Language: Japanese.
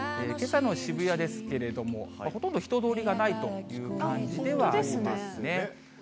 けさの渋谷ですけれども、ほとんど人通りがないという感じではありますね。